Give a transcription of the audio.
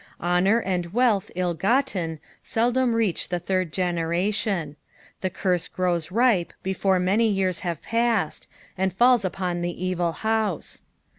Honour and wealth ill gotten seldom teach the third generation ; the curse grows ripe before many years have passed, and falls upon the evil house.